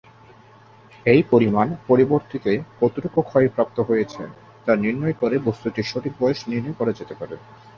এই পরিমাণ পরবর্তিতে কতটুকু ক্ষয়প্রাপ্ত হয়েছে, তা নির্ণয় করে বস্তুটির সঠিক বয়স নির্ণয় করা যেতে পারে।